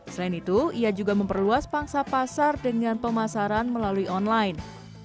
selain itu ia juga memperluas pangsa pasar dengan pemasaran melalui online